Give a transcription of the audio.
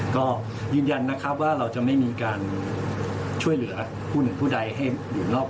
ก็ยืนยันนะครับว่าเราจะไม่มีการช่วยเหลือผู้ใดให้อยู่รอบ